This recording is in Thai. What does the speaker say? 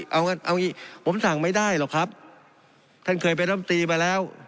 เอางี้ผมสั่งไม่ได้หรอกครับท่านเคยเป็นลำตีมาแล้ว